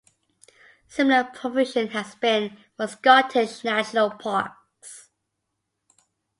Similar provision has been made for Scottish national parks.